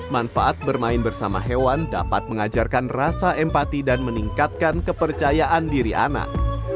manfaat bermain bersama hewan dapat mengajarkan rasa empati dan meningkatkan kepercayaan diri anak